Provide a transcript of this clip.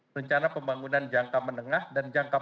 rencana pembangunan jangka menengah dan jangka panjang